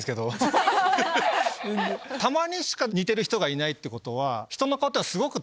たまにしか似てる人がいないってことは。